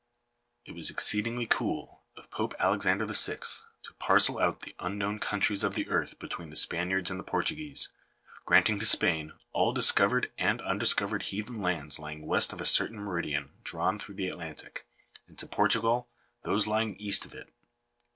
It was exceedingly cool of Pope Alexander VI. to parcel out the unknown countries of the Earth between the Spaniards and Portuguese, granting to Spain all discovered and undis covered heathen lands lying west of a certain meridian drawn through the Atlantic, and to Portugal those lying east of it.